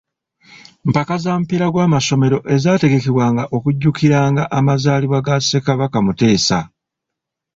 Mpaka za mupiira gw'amasomero ezaategekebwanga okujjukiranga amazaalibwa ga Ssekabaka Muteesa.